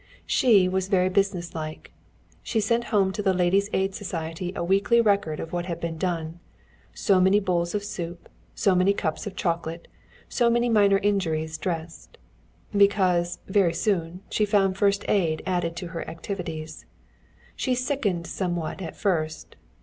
She was very businesslike. She sent home to the Ladies' Aid Society a weekly record of what had been done: So many bowls of soup; so many cups of chocolate; so many minor injuries dressed. Because, very soon, she found first aid added to her activities. She sickened somewhat at first.